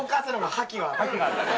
覇気があるね。